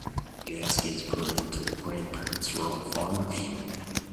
Gaskin's paternal grandparents were all farmers.